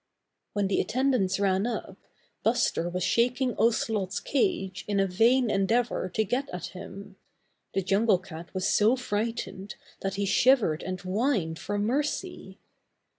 When the attendants ran up, Buster was shaking Ocelot's cage in a vain endeavor to get at him. The Jungle Cat was so frightened that he shivered and whined for mercy.